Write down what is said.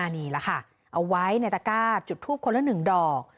นี่แหละค่ะเอาไว้ในตะก้าจุดทูปคนละ๑ดอก